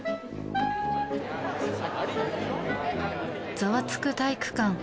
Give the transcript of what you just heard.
ざわつく体育館。